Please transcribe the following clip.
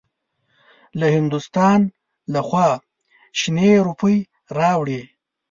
له هندوستان لخوا شنې روپۍ راوړې.